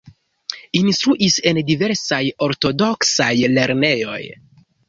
Instruis en diversaj ortodoksaj lernejoj.